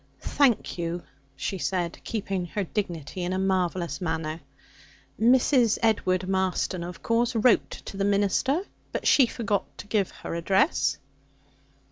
'Thank you,' she said, keeping her dignity in a marvellous manner. 'Mrs. Edward Marston, of course, wrote to the minister, but she forgot to give her address.'